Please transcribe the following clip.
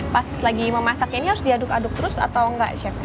pas lagi memasaknya ini harus diaduk aduk terus atau enggak chef